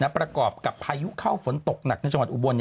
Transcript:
ประกอบกับพายุเข้าฝนตกหนักในจังหวัดอุบล